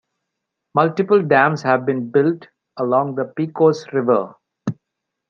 Multiple dams have been built along the Pecos River.